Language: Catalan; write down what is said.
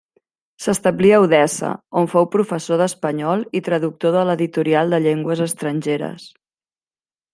S'establí a Odessa, on fou professor d'espanyol i traductor de l'Editorial de Llengües Estrangeres.